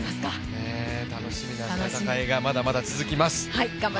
楽しみな戦いがまだまだ続きます。